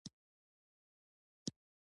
ماهیان پکې وي.